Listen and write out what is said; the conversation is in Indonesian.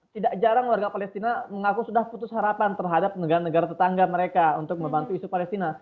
tidak jarang warga palestina mengaku sudah putus harapan terhadap negara negara tetangga mereka untuk membantu isu palestina